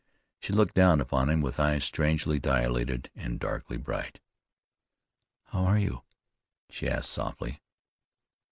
She looked down upon him with eyes strangely dilated, and darkly bright. "How are you?" she asked softly.